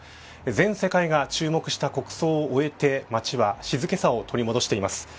全世界が注目した国葬を終えて街は静けさを取り戻しています。